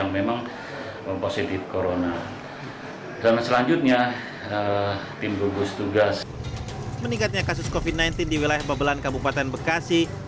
meningkatnya kasus covid sembilan belas di wilayah babelan kabupaten bekasi